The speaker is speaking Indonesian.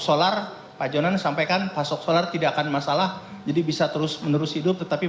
solar pak jonan sampaikan pasok solar tidak akan masalah jadi bisa terus menerus hidup tetapi